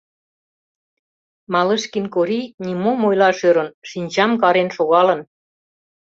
Малышкин Корий нимом ойлаш ӧрын, шинчам карен шогалын.